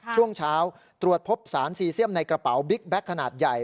ช่วงเช้าตรวจพบสารซีเซียมในกระเป๋าบิ๊กแก๊กขนาดใหญ่